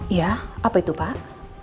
iya apa itu pak